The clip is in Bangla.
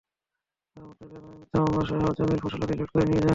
তাঁরা মুক্তিযোদ্ধাদের নামে মিথ্যা মামলাসহ জমির ফসলাদি লুট করে নিয়ে যান।